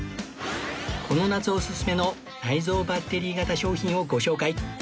この夏おすすめの内蔵バッテリー型商品をご紹介